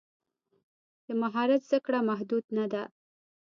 د مهارت زده کړه محدود نه ده.